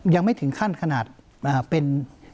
ยังไม่ถึงขั้นขนาดเป็น